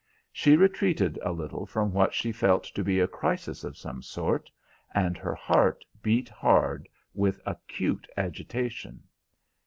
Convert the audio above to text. She retreated a little from what she felt to be a crisis of some sort, and her heart beat hard with acute agitation.